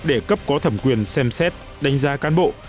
để cấp có thẩm quyền xem xét đánh giá cán bộ